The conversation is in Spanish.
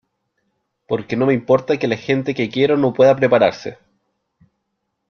porque no me importa que la gente que quiero no pueda prepararse